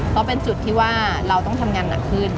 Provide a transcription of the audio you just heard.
เพราะเป็นจุดที่ว่าเราต้องทำงานหนักขึ้น